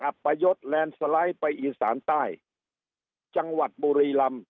อปยศแลนด์สไลด์ไปอีสานใต้จังหวัดบุรีลำ